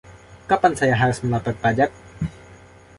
Kapan saya harus melapor pajak?